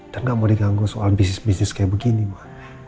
dan gak mau di ganggu soal bisnis bisnis kayak begini ma